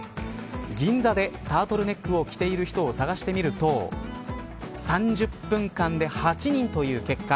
銀座で、タートルネックを着ている人を探してみると３０分間で８人という結果。